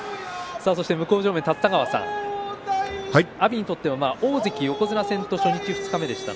向正面、立田川さん阿炎にとっては大関、横綱戦と初日、二日目でした。